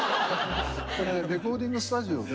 これレコーディングスタジオで。